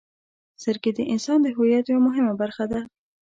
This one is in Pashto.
• سترګې د انسان د هویت یوه مهمه برخه ده.